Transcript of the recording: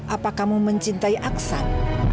apa kamu mencintai aksan